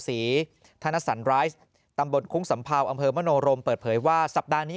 ศรีธนสันไรซ์ตำบลคุ้งสัมเภาอำเภอมโนรมเปิดเผยว่าสัปดาห์นี้